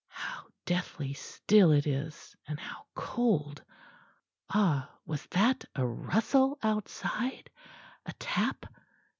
How deathly still it is, and how cold! Ah! was that a rustle outside; a tap?...